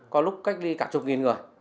có lúc cách ly cả chục nghìn người